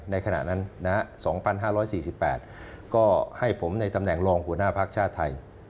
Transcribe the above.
ขณะนั้น๒๕๔๘ก็ให้ผมในตำแหน่งรองหัวหน้าภักดิ์ชาติไทย